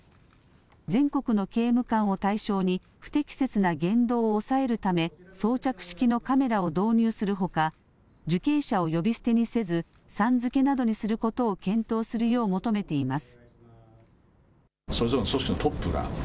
全国の刑務官を対象に、不適切な言動を抑えるため、装着式のカメラを導入するほか、受刑者を呼び捨てにせず、さん付けなどにすることを検討するよう求めています。